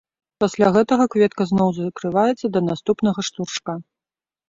Пасля гэтага кветка зноў закрываецца да наступнага штуршка.